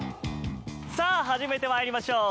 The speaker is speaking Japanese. さあ始めてまいりましょう。